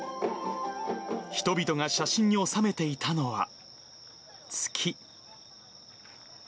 人々が写真に収めていたのは月。